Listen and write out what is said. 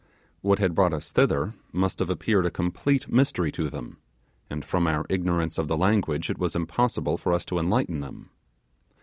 What had brought us thither must have appeared a complete mystery to them, and from our ignorance of the language it was impossible for us to enlighten them.